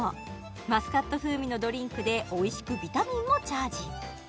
マスカット風味のドリンクでおいしくビタミンもチャージ